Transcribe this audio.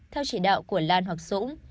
theo chỉ đạo của lan hoặc dũng